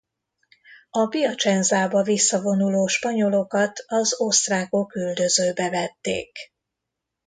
A Piacenzába visszavonuló spanyolokat az osztrákok üldözőbe vették.